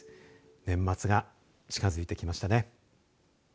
年末が近づいてきましたね。